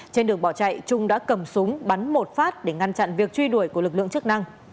trên đường bỏ chạy trung đã cầm súng bắn một phát để ngăn chặn việc truy đuổi của lực lượng chức năng